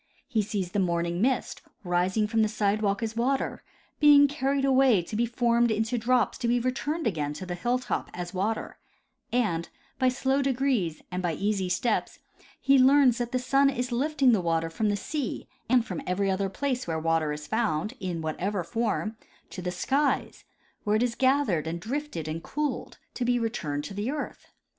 He sees the morning mist, rising from the sidewalk as water, being carried away to be formed into drops to be relurned again to the hilltop as water ; and, by slow de grees and by easy steps, he learns that the sun is lifting the water from the sea and from every other place where water is found, in whatever form, to the skies, where it is gathered and drifted and cooled, to be returned to the earth.